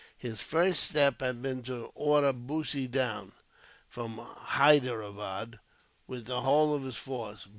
His first step had been to order Bussy down, from Hyderabad, with the whole of his force.